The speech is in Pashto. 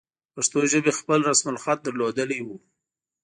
پښتو ژبې خپل رسم الخط درلودلی وو.